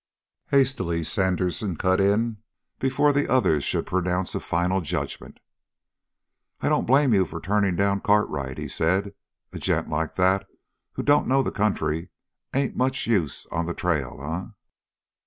Hastily Sandersen cut in before the other should pronounce a final judgment. "I don't blame you for turning down Cartwright," he said. "A gent like that who don't know the country ain't much use on the trail, eh?"